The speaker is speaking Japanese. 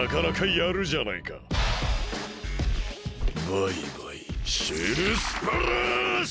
バイバイシェルスプラッシュ！